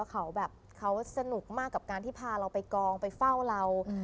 เขาแบบเขาสนุกมากกับการที่พาเราไปกองไปเฝ้าเรา